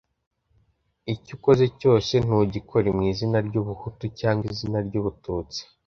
icyo ukoze cyose ntugikore mu izina ry’ubuhutu cyangwa izina ry’ubututsi